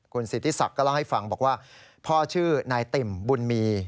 คุณสิทธิศักดิ์ก็เล่าให้ฟังบอกว่าพ่อชื่อนายติ่มบุญมี